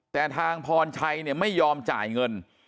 แต่ทางพรชัยเนี่ยไม่ยอมจ่ายเงิน